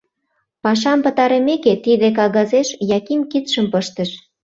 Пашам пытарымеке, тиде кагазеш Яким кидшым пыштыш.